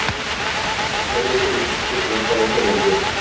Pero a pesar de esto, la fuerza franca no se rompió.